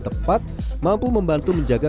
tepat mampu membantu menjaga